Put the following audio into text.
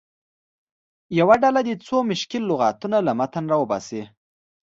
یوه ډله دې څو مشکل لغتونه له متن راوباسي.